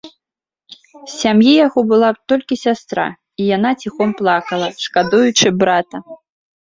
З сям'і яго была толькі сястра, і яна ціхом плакала, шкадуючы брата.